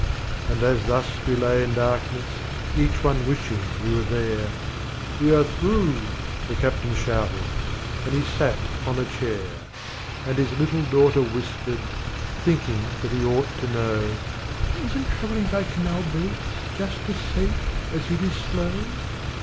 And as thus we lay in darkness, Each one wishing we were there, "We are through!" the captain shouted, And he sat upon a chair. And his little daughter whispered, Thinking that he ought to know, "Isn't travelling by canal boats Just as safe as it is slow?"